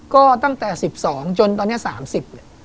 ก็ตั้งแต่๑๒จนตอนนี้๓๐